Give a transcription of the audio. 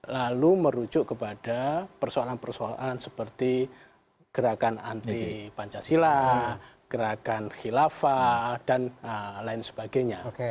lalu merujuk kepada persoalan persoalan seperti gerakan anti pancasila gerakan khilafah dan lain sebagainya